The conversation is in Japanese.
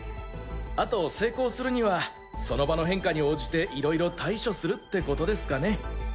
あと成功するにはその場の変化に応じていろいろ対処するってことですかね。